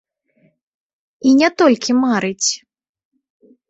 І не толькі марыць.